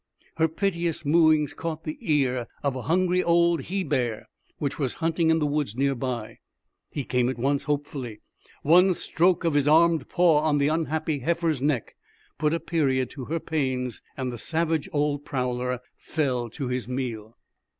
Her piteous mooings caught the ear of a hungry old he bear which was hunting in the woods near by. He came at once, hopefully. One stroke of his armed paw on the unhappy heifer's neck put a period to her pains, and the savage old prowler fell to his meal.